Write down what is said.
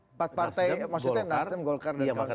empat partai maksudnya nasdem golkar dan kalengkawan